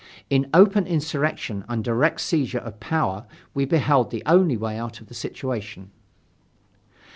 In open insurrection and direct seizure of power we beheld the only way out of the situation.